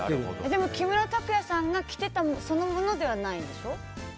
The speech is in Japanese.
でも木村拓哉さんが着ていたそのものではないんでしょ？